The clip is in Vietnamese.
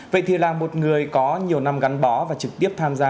vậy thì là một người có nhiều năm gắn bó và trực tiếp tham gia